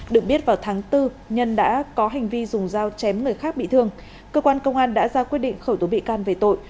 được biết vào tháng bốn nhân đã có hành vi dùng dao chém người khác bị thương cơ quan công an đã ra quyết định khởi tố bị can về tội